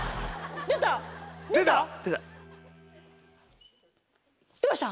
出た？